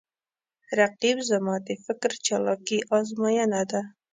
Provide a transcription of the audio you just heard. رقیب زما د فکر چالاکي آزموینه ده